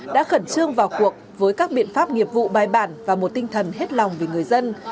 đã khẩn trương vào cuộc với các biện pháp nghiệp vụ bài bản và một tinh thần hết lòng vì người dân